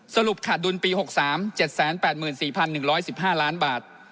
สรุปขาดดุลปี๖๓๗๘๔๑๑๕ล้านบาท